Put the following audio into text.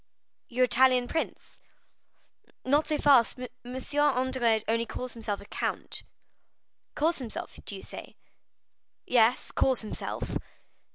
"Your Italian prince?" "Not so fast; M. Andrea only calls himself count." "Calls himself, do you say?" "Yes, calls himself."